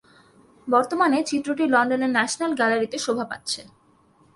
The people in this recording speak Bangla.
বর্তমানে চিত্রটি লন্ডনের ন্যাশনাল গ্যালারিতে শোভা পাচ্ছে।